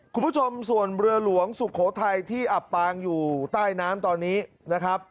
คุณผู้ชมส่วนเรือหลวงสุโขทัยที่อับปางอยู่ใต้น้ำตอนนี้นะครับ